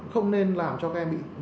không nên làm cho các em bị tự nhiên